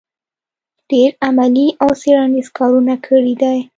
ډېر علمي او څېړنیز کارونه کړي دی